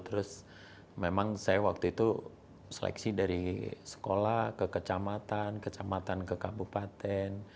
terus memang saya waktu itu seleksi dari sekolah ke kecamatan kecamatan ke kabupaten